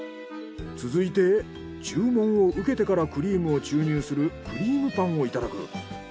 続いて注文を受けてからクリームを注入するクリームパンをいただく。